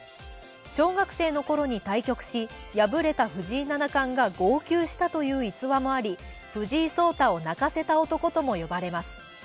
小学生のころに対局し敗れた藤井七冠が号泣したという逸話もあり、藤井聡太を泣かせた男とも呼ばれます。